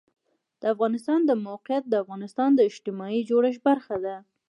د افغانستان د موقعیت د افغانستان د اجتماعي جوړښت برخه ده.